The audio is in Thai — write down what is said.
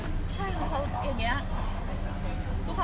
ไม่ใช่นี่คือบ้านของคนที่เคยดื่มอยู่หรือเปล่า